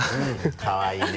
かわいいね。